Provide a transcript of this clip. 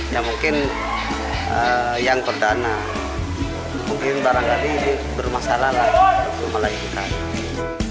ya mungkin yang pertama mungkin barangkali ini bermasalah lah untuk melahirkan